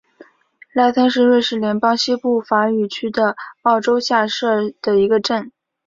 莱森是瑞士联邦西部法语区的沃州下设的一个镇。